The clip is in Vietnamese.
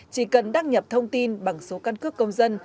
chỉ cần đăng nhập thông tin bằng số căn cước công dân